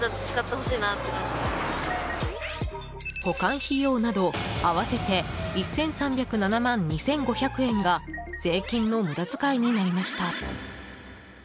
保管費用など合わせて１３０７万２５００円が税金の無駄遣いになりました。